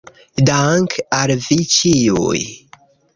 Dank' al vi ĉiuj